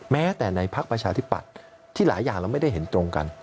แม้แต่ในพักประชาธิปัตย์ที่หลายอย่างเราไม่ได้เห็นตรงกัน